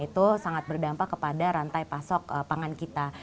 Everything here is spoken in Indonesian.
itu sangat berdampak kepada rantai pasok pangan kita